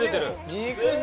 肉汁！